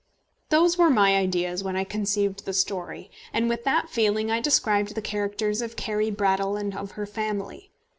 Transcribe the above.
Those were my ideas when I conceived the story, and with that feeling I described the characters of Carry Brattle and of her family.